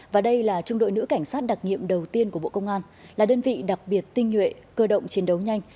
và đây là trung đội nữ cảnh sát đặc nghiệm đầu tiên của bộ công an là đơn vị đặc biệt tinh nhuệ cơ động chiến đấu nhanh